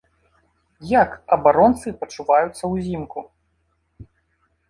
Як абаронцы пачуваюцца ўзімку?